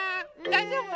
だいじょうぶ？